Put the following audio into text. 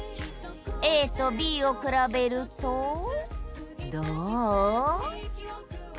ＡとＢを比べるとどう？